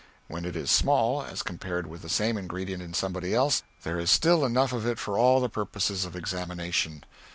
When it is small, as compared with the same ingredient in somebody else, there is still enough of it for all the purposes of examination.